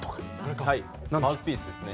マウスピースですね。